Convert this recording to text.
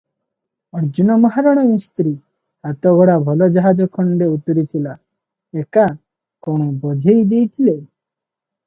ଅର୍ଜୁନ ମହାରଣା ମିସ୍ତ୍ରୀ ହାତଗଢ଼ା ଭଲ ଜାହାଜ ଖଣ୍ଡେ ଉତୁରିଥିଲା ଏକା- କଣ ବୋଝେଇ ଦେଇଥିଲେ?